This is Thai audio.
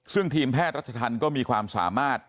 ซึ่งทีมแพทย์รัชธรรมก็มีความสามารถ